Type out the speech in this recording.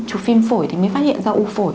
chụp phim phổi thì mới phát hiện ra u phổi